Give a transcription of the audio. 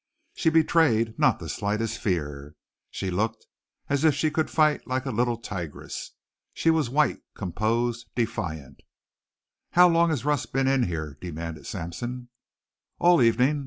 She betrayed not the slightest fear. She looked as if she could fight like a little tigress. She was white, composed, defiant. "How long has Russ been in here?" demanded Sampson. "All evening.